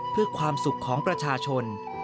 เพื่อความสุขของประชาชน